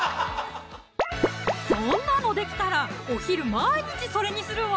そんなのできたらお昼毎日それにするわ！